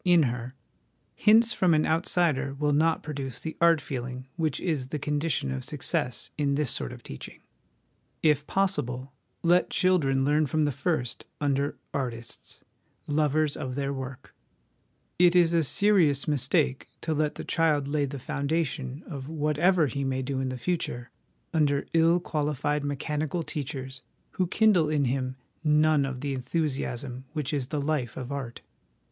in her, hints from an outsider will not produce the art feeling which is the condition of success in this sort of teaching. If possible, let the children learn from the first under artists, lovers of their work : it is a serious mistake to let the child lay the foundation of whatever he may do in the future under ill qualified mechanical teachers, who kindle in him none of the enthusiasm which is the life of art.